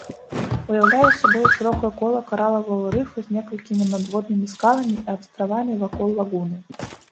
Уяўляе сабою шырокае кола каралавага рыфа з некалькімі надводнымі скаламі і астравамі вакол лагуны.